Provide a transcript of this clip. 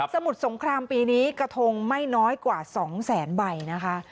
สมุทรสงครามปีนี้กระทงไม่น้อยกว่า๒แสนใบนะคะ